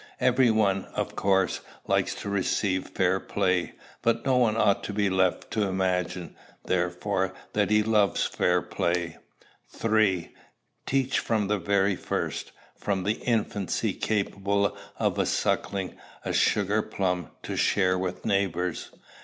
Every one, of course, likes to receive fair play; but no one ought to be left to imagine, therefore, that he loves fair play. 3. Teach from the very first, from the infancy capable of sucking a sugar plum, to share with neighbors.